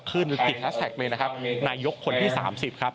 ขึ้นติดแทสต์แท็กไปนะครับในยกคนที่๓๐ครับ